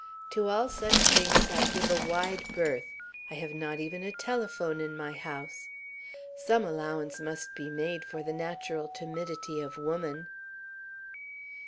To all such things I give a wide berth. I have not even a telephone in my house. Some allowance must be made for the natural timidity of woman."